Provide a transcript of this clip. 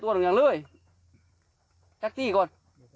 ส่วนข้อมูลอื่นบ้านแรกที่ไหน